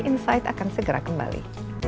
insight akan segera kembali